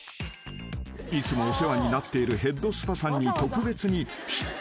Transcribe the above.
［いつもお世話になっているヘッドスパさんに特別に出張いただきました］